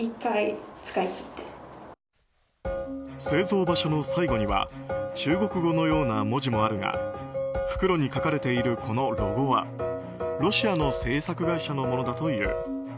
製造場所の最後には中国語のような文字もあるが袋に書かれているこのロゴはロシアの製薬会社のものだという。